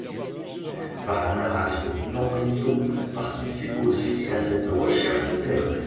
Par la narration, l'embryon participe aussi à cette recherche du père.